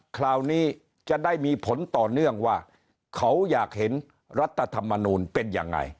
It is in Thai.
คราวนี้จะได้มีผลต่อเนื่องว่าเขาอยากเห็นรัฐธรรมนูลเป็นยังไง